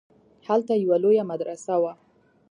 هلته يوه لويه مدرسه وه.